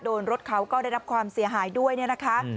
รถเขาก็ได้รับความเสียหายด้วยเนี่ยนะคะ